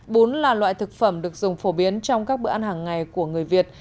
bún là loại thực phẩm được dùng phổ biến trong các bữa ăn hàng ngày của người việt